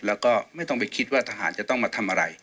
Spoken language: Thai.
แล้วก็ไม่ต้องไปคิดว่าทหารจะต้องมาทำอะไร